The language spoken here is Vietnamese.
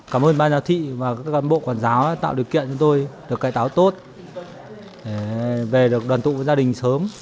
các giáo thị và các bộ quản giáo tạo điều kiện cho tôi được cải tạo tốt về được đoàn tụ với gia đình sớm